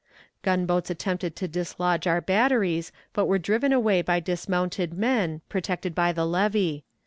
Gunboats attempted to dislodge our batteries, but were driven away by dismounted men, protected by the levee.